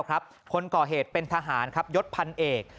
คนก่อเหตุเป็นทหารครับยศพันเอก